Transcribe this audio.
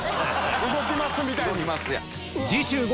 「動きます」みたいに。